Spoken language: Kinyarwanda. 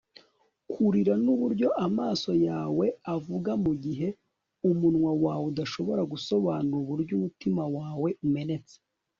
kurira nuburyo amaso yawe avuga mugihe umunwa wawe udashobora gusobanura uburyo umutima wawe umenetse